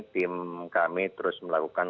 tim kami terus melakukan